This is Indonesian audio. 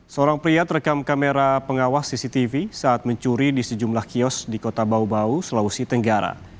seorang pria terekam kamera pengawas cctv saat mencuri di sejumlah kios di kota bau bau sulawesi tenggara